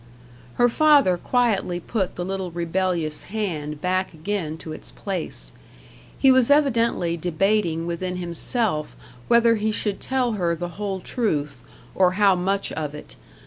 Her father quietly put the little rebellious hand back again to its place. He was evidently debating within himself whether he should tell her the whole truth, or how much of it.